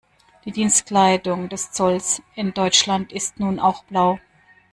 Die Dienstkleidung des Zolls in Deutschland ist nun auch blau.